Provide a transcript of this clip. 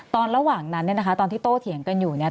ระหว่างนั้นเนี่ยนะคะตอนที่โตเถียงกันอยู่เนี่ย